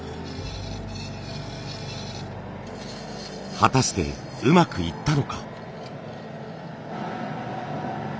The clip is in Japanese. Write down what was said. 果たしてうまくいったのか？